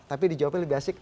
tapi dijawab lebih asik